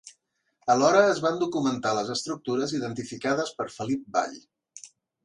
Alhora es van documentar les estructures identificades per Felip Vall.